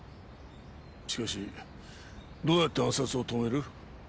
しかしどうやって暗殺を止める？